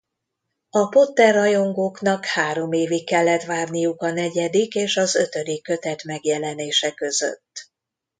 A Potter-rajongóknak három évig kellett várniuk a negyedik és az ötödik kötet megjelenése között.